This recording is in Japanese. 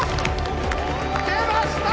出ました